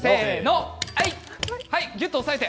ぎゅっと押さえて。